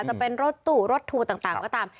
จะเป็นรถตู้รถทัวร์ต่างก็ตาม